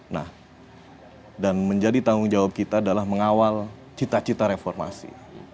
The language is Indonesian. nah dan menjadi tanggung jawab kita adalah mengawal cita cita reformasi